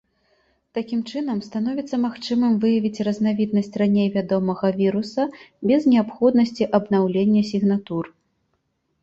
Такім чынам становіцца магчымым выявіць разнавіднасць раней вядомага віруса без неабходнасці абнаўлення сігнатур.